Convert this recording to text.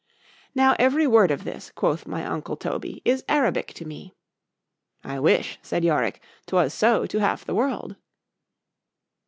_—— Now every word of this, quoth my uncle Toby, is Arabic to me.——I wish, said Yorick, 'twas so, to half the world.